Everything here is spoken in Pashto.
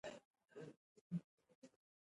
افغانستان د تاریخ د پلوه ځانته ځانګړتیا لري.